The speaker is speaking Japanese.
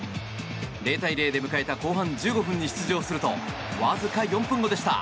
０対０で迎えた後半１５分に出場するとわずか４分後でした。